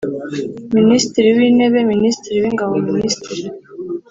Minisitiri w Intebe Minisitiri w Ingabo Minisitiri